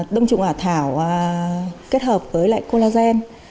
đồng trùng hạ thảo kết hợp với collagen